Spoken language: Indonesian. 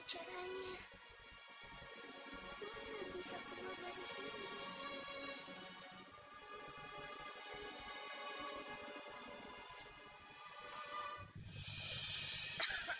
jangan diminum ya bu jangan